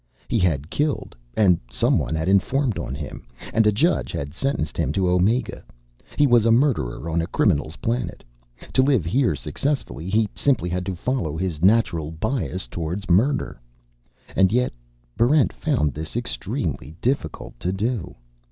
He had killed, and someone had informed on him, and a judge had sentenced him to Omega. He was a murderer on a criminal's planet. To live here successfully, he simply had to follow his natural bias toward murder. And yet, Barrent found this extremely difficult to do.